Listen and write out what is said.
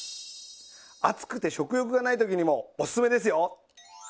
暑くて食欲がない時にもおすすめですよ！